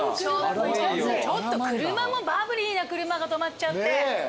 ちょっと車もバブリーな車が止まっちゃって。